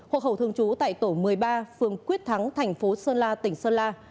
hộ khẩu thường trú tại tổ một mươi ba phường quyết thắng thành phố sơn la tỉnh sơn la